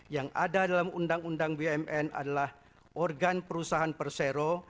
yang ada dalam undang undang bumn adalah organ perusahaan persero